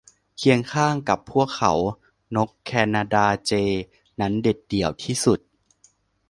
เคียงข้างกับพวกเขา นกแคนาดาเจย์นั้นเด็ดเดี่ยวที่สุด